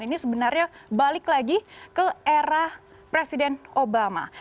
ini sebenarnya balik lagi ke era presiden obama